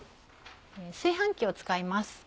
炊飯器を使います。